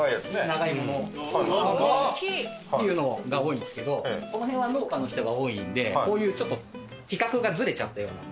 長いものっていうのが多いんですけどこの辺は農家の人が多いんでこういうちょっと規格がずれちゃったような。